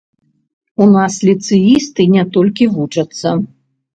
У нас ліцэісты не толькі вучацца.